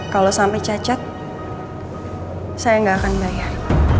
kalau sampai cacat saya nggak akan bayar